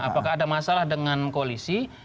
apakah ada masalah dengan koalisi